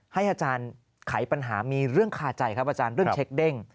ให้อาจารย์ไขปัญหามีเรื่องคาใจครับอาจารย์เรื่องเช็คเด้ง